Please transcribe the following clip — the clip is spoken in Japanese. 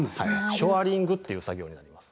ショアリングっていう作業になります。